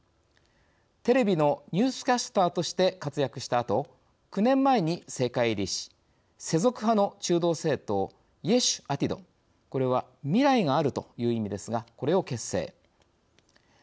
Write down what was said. テレビのニュースキャスターとして活躍したあと９年前に政界入りし世俗派の中道政党イェシュアティドこれは未来があるという意味ですがこれを結成しました。